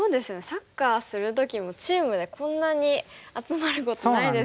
サッカーする時もチームでこんなに集まることないですよね。